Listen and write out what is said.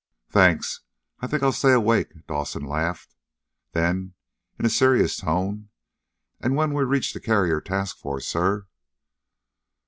"Thanks, I think I'll stay awake," Dawson laughed. Then, in a serious tone, "And when we reach the carrier task force, sir?"